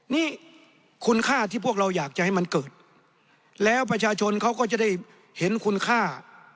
นี่คุณค่าที่พวกเราอยากจะให้มันเกิดแล้วประชาชนเขาก็จะได้เห็นคุณค่า